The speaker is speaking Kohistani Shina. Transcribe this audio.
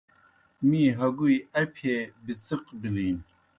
می ہگُوئی اپیْ ہے بِڅِق بِلِن۔